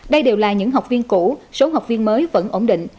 đây đều là những học viên cũ số học viên mới vẫn ổn định